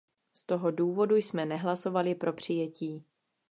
Z toho důvodu jsme nehlasovali pro přijetí.